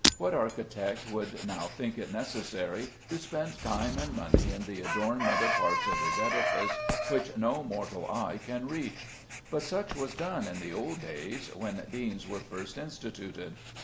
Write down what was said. What architect would now think it necessary to spend time and money in the adornment of parts of his edifice which no mortal eye can reach? But such was done in the old days when deans were first instituted.